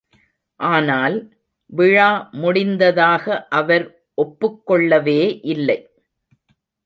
ஆனால், விழா முடிந்ததாக அவர் ஒப்புக் கொள்ளவே இல்லை.